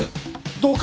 どうか！